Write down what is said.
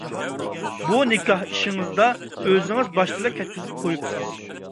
بۇ نىكاھ ئىشىڭىزدا ئۆزىڭىز باشتىلا كەتكۈزۈپ قويۇپسىز.